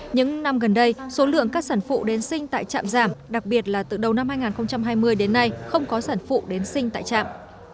những năm gần đây số lượng các sản phụ đến sinh tại trạm giảm đặc biệt là từ đầu năm hai nghìn hai mươi đến nay không có sản phụ đến sinh tại trạm